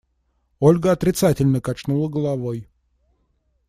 Ольга отрицательно качнула головой.